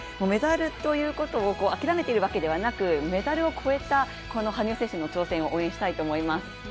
メダルということを諦めているわけではなくメダルを越えた羽生選手の挑戦を応援したいと思います。